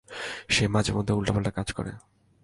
সে মাঝেমধ্যে উল্টাপাল্টা কাজ করে।